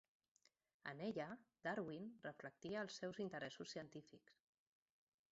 En ella, Darwin reflectia els seus interessos científics.